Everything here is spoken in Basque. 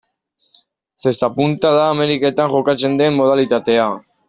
Zesta-punta da Ameriketan jokatzen den modalitatea.